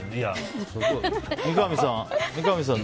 三上さん